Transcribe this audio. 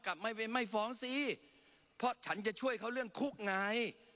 ไม่ฟ้องสิเพราะฉันจะช่วยเขาเรื่องคุกไง